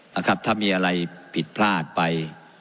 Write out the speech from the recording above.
นะครับถ้ามีอะไรผิดพลาดไป